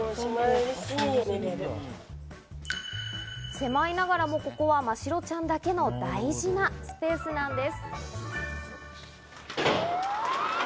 狭いながらも、ここは真白ちゃんだけの大事なスペースなんです。